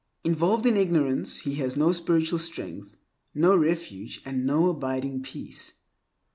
Involved in ignorance, he has no spiritual strength, no refuge, and no abiding peace.